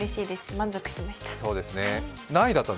満足しました。